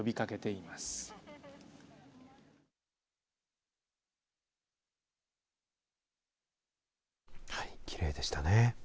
はい、きれいでしたね。